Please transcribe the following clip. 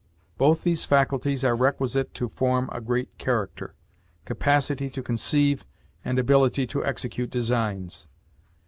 Both these faculties are requisite to form a great character: capacity to conceive, and ability to execute designs.